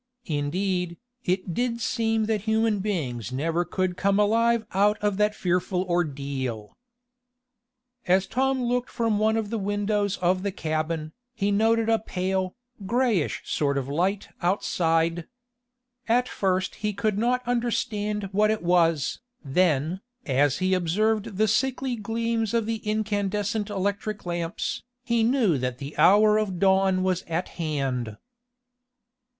Indeed, it did seem that human beings never could come alive out of that fearful ordeal. As Tom looked from one of the windows of the cabin, he noted a pale, grayish sort of light outside. At first he could not understand what it was, then, as he observed the sickly gleams of the incandescent electric lamps, he knew that the hour of dawn was at hand.